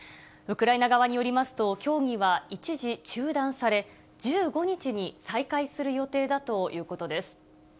ウクライナ側によりますと、協議は一時中断され、１５日に再開する予定だということです。